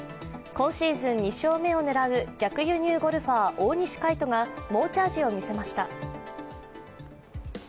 今シーズン２勝目を狙う逆輸入ゴルファー、大西魁斗が猛チャージを見せました。